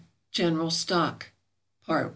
=General Stock.= PART I.